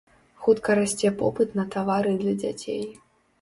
Хутка расце попыт на тавары для дзяцей.